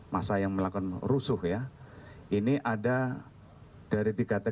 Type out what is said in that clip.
massa yang melakukan rusuh ini ada dari tiga tkp